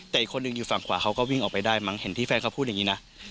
แต่อีกคนหนึ่งอยู่ฝั่งขวาเขาก็วิ่งออกไปได้มั้งเห็นที่แฟนเขาพูดอย่างนี้นะ